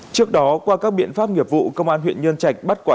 trước đó qua các biện pháp nghiệp vụ